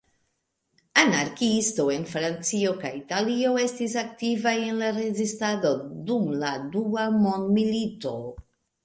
Anarkiistoj en Francio kaj Italio estis aktivaj en la Rezistado dum la Dua Mondmilito.